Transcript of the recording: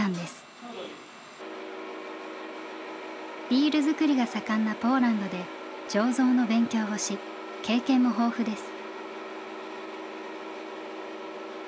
ビール造りが盛んなポーランドで醸造の勉強をし経験も豊富です。